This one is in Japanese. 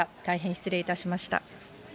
大変失礼いたしました。